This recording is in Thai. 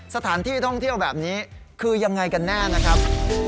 สถานที่ท่องเที่ยวแบบนี้คือยังไงกันแน่นะครับ